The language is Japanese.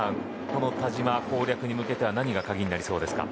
この田嶋攻略に向けては何が鍵になりますか。